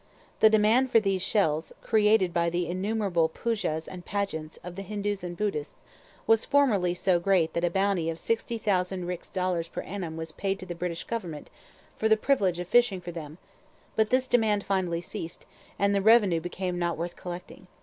The demand for these shells, created by the innumerable poojahs and pageants of the Hindoos and Buddhists, was formerly so great that a bounty of sixty thousand rix dollars per annum was paid to the British government for the privilege of fishing for them; but this demand finally ceased, and the revenue became not worth collecting.